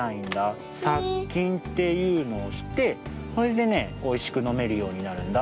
さっきんっていうのをしてそれでねおいしくのめるようになるんだ。